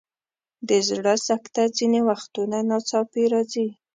د زړه سکته ځینې وختونه ناڅاپي راځي.